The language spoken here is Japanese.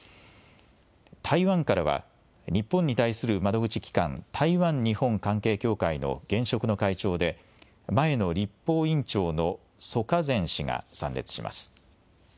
台湾からは日本に対する窓口機関、台湾日本関係協会の現職の会長で前の立法院長の蘇嘉全氏が参列します。